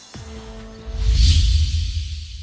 สวัสดีครับ